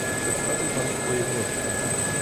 Przedstawił pan swoje wnioski